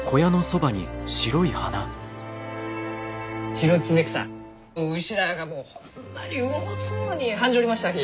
シロツメクサ牛らあがもうホンマにうもうそうに食んじょりましたき！